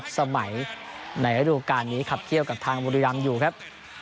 สมัยในระดูการนี้ขับเที่ยวกับทางบุรีรำอยู่ครับ